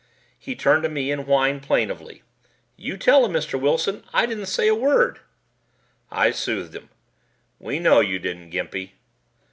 He turned to me and whined plaintively, "You tell him, Mr. Wilson. I didn't say a word." I soothed him. "We know you didn't, Gimpy."